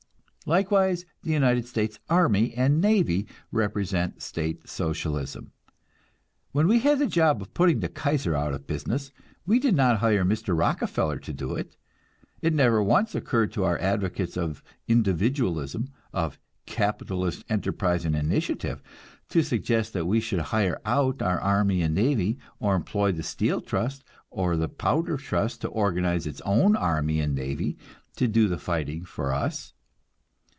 Likewise the United States army and navy represent State Socialism. When we had the job of putting the Kaiser out of business, we did not hire Mr. Rockefeller to do it; it never once occurred to our advocates of "individualism," of "capitalist enterprise and initiative," to suggest that we should hire out our army and navy, or employ the Steel Trust or the Powder Trust to organize its own army and navy to do the fighting for us.